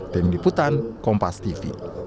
demi putan kompas tv